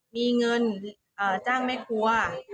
มีเงินจ้างแม่ครัว